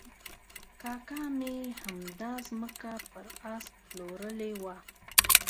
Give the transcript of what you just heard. کاکا مې همدا ځمکه پر آس پلورلې وه.